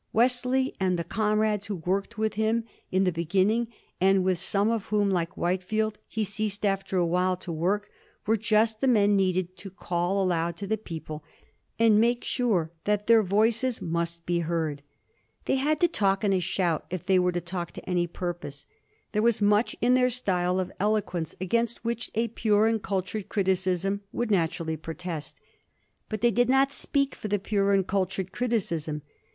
Wesley and the comrades who worked with him in the beginning, and with some of whom, like Whitefield, he ceased after a while to work, were just the men needed to call aloud to the people and make sure that their voices must be heard. They had to talk in a shout if they were to talk to any purpose. There was much in their style of eloquence against which a pure and cultured criticism would naturally protest. But they did not speak for the pure and cultured criticism.